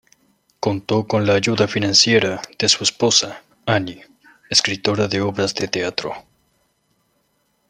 Contó con la ayuda financiera de su esposa, Anne, escritora de obras de teatro.